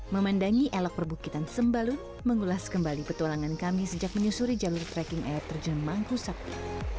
memandangi elok perbukitan sembalun mengulas kembali petualangan kami sejak menyusuri jalur trekking air terjemah kusakti